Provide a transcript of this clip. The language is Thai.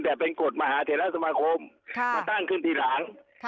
แต่เป็นกฎมหาเทราสมาคมมาตั้งขึ้นทีหลัง